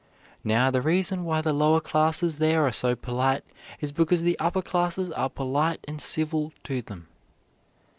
Now, the reason why the lower classes there are so polite is because the upper classes are polite and civil to them."